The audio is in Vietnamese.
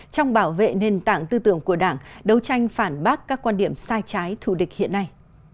trong bảo vệ nền tảng tư tưởng của đảng đấu tranh phản bác các quan điểm sai trái thù địch hiện nay